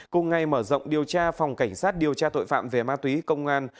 cùng ngày mở rộng điều tra phòng cảnh sát điều tra tội phạm về ma túy công an